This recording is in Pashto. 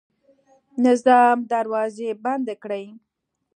نظام دروازې بندې کړې.